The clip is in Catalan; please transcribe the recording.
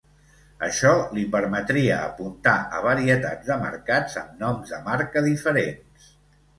Això li permetria apuntar a varietats de mercats amb noms de marca diferents.